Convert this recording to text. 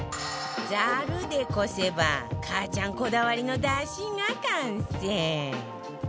ザルでこせばかあちゃんこだわりの出汁が完成！